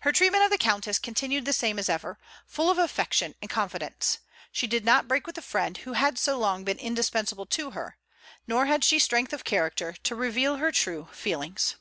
Her treatment of the Countess continued the same as ever, full of affection and confidence. She could not break with a friend who had so long been indispensable to her; nor had she strength of character to reveal her true feelings.